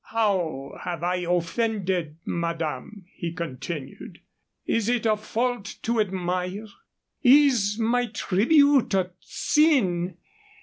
"How have I offended, madame?" he continued. "Is it a fault to admire? Is my tribute a sin?